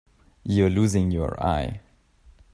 You're losing your eye.